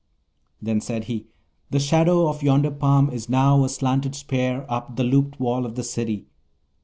Then he said, 'The shadow of yonder palm is now a slanted spear up the looped wall of the City.